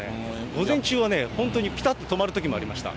午前中は本当に、ぴたっと止まるときもありました。